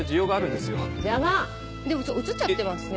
でも映っちゃってますね。